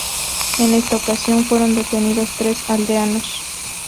En esta ocasión, fueron detenidos tres aldeanos.